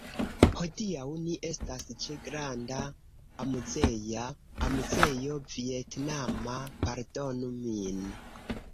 Hodiaŭ ni estas ĉe granda amuzeja... amuzejo vietnama... pardonu min